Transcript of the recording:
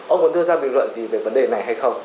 ông có đưa ra bình luận gì về vấn đề này hay không